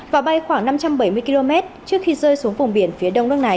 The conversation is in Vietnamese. và bay khoảng năm trăm bảy mươi km trước khi rơi xuống vùng biển phía đông nước này